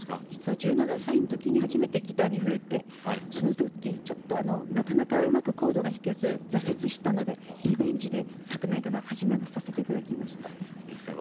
１７歳のときに初めてギターに触れてそのときちょっとなかなかうまくコードが弾けず挫折したので、リベンジで昨年から始めさせていただきました。